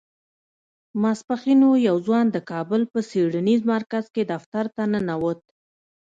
ماسپښين و يو ځوان د کابل په څېړنيز مرکز کې دفتر ته ننوت.